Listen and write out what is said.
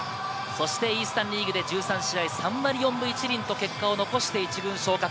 そしてイースタン・リーグで１３試合３割４分１厘と結果を残して１軍昇格。